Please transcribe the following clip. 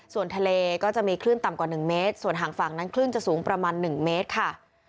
ส่วนทะเลก็จะมีคลื่นต่ำกว่า๑เมตรส่วนห่างฝั่งนั้นคลื่นจะสูงประมาณ๑เมตรค่ะ